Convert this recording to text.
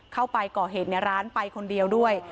เข้าไปก่อเหตุในร้านไปคนเดียวด้วย